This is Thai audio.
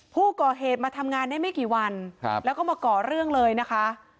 ผู้ก่อเหตุมาทำงานได้ไม่กี่วันแล้วก็มาก่อเรื่องเลยนะคะ